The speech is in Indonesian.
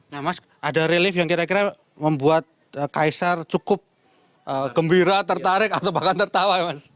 nah mas ada relief yang kira kira membuat kaisar cukup gembira tertarik atau bahkan tertawa ya mas